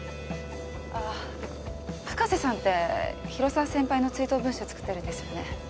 ああ深瀬さんって広沢先輩の追悼文集作ってるんですよね？